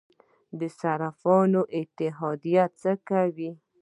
د صرافانو اتحادیه څه کوي؟